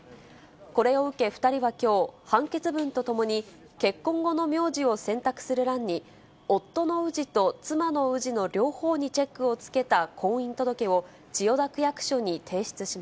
これを受け２人はきょう、判決文とともに、結婚後の名字を選択する欄に、夫の氏と妻の氏の両方にチェックをつけた婚姻届を千代田区役所に氏の所ですね。